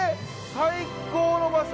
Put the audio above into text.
最高の場所！